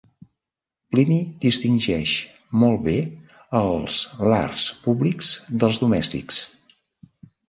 Plini distingeix molt bé els lars públics dels domèstics.